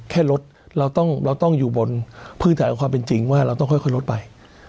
แค่รถเราต้องอยู่บนพื้นฐานของความเป็นจริงว่าเราต้องค่อยลดไป